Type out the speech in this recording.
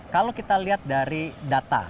kalau kita lihat dari data